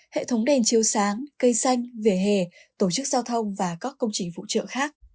hệ thống đèn chiếu sáng cây xanh vỉa hè tổ chức giao thông và các công trình phụ trợ khác